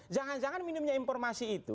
jangan jangan minimnya informasi itu